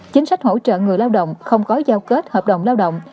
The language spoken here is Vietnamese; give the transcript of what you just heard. chính sách hỗ trợ người lao động không có giao kết hợp đồng lao động